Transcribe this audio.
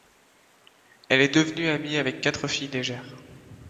Elle est devenue amie avec quatre filles légères.